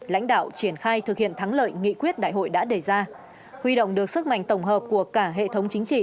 lãnh đạo triển khai thực hiện thắng lợi nghị quyết đại hội đã đề ra huy động được sức mạnh tổng hợp của cả hệ thống chính trị